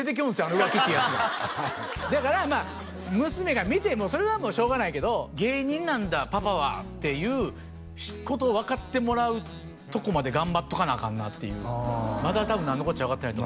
あの浮気ってやつがだからまあ娘が見てもそれはもうしょうがないけど芸人なんだパパはっていうことを分かってもらうとこまで頑張っとかなあかんなっていうまだ何のこっちゃ分かってない